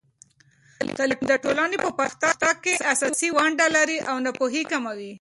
تعلیم د ټولنې په پرمختګ کې اساسي ونډه لري او ناپوهي کموي.